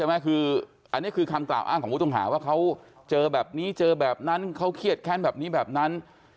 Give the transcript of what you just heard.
คืออันนี้คือคำกล่าวอ้างของผู้ต้องหาว่าเขาเจอแบบนี้เจอแบบนั้นเขาเครียดแค้นแบบนี้แบบนั้น